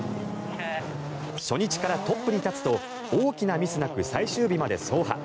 初日からトップに立つと大きなミスなく最終日まで走破。